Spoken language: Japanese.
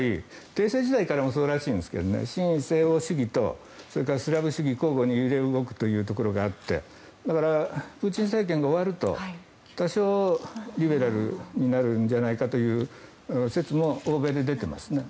帝政時代からもそうらしいですが親西欧主義とスラブ主義が交互に揺れ動くところがあってプーチン政権が終わると多少リベラルになるんじゃないかという説も欧米で出ていますね。